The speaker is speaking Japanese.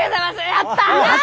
やった！